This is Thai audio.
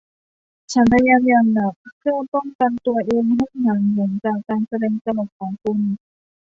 ฉันพยายามอย่างหนักเพื่อป้องกันตัวเองให้ห่างเหินจากการแสดงตลกของคุณ